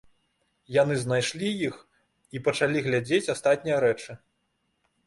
Яны знайшлі іх і пачалі глядзець астатнія рэчы.